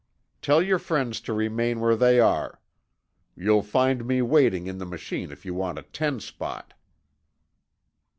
Tell your friends to remain where they are. You'll find me waiting in the machine if you want a ten spot."